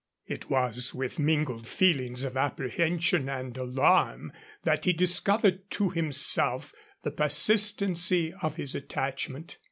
It was with mingled feelings of apprehension and alarm that he discovered to himself the persistency of his attachment.